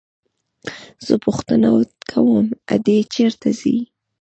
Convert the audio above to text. زه پوښتنه کوم ادې چېرته ځي.